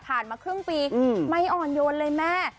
มาครึ่งปีไม่อ่อนโยนเลยแม่